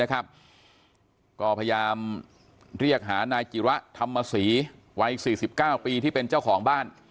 ก็พยายามเรียกหานายจิระธรรมศรีวัย๔๙ปีที่เป็นเจ้าของบ้าน